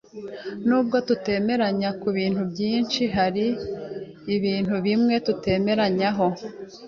Nubwo tutemeranya kubintu byinshi, hari ibintu bimwe twemeranyaho.